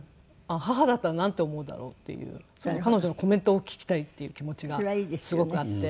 母だったらなんて思うだろうっていう彼女のコメントを聞きたいっていう気持ちがすごくあって。